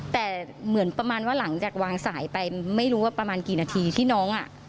แต่เหมือนประมาณว่าหลังจากวางสายไปไม่รู้ว่าประมาณกี่นาทีที่น้องอ่ะ